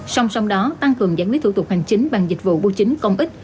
song song đó tăng cường giải quyết thủ tục hành chính bằng dịch vụ bưu chính công ích